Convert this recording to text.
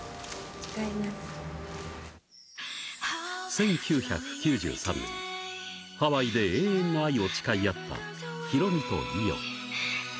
１９９３年、ハワイで永遠の愛を誓い合ったヒロミと伊代。